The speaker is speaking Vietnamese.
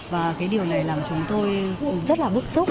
và cái điều này làm chúng tôi rất là bụng súc